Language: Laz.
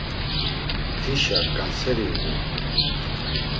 Tişa ǩanseri uğurt̆u.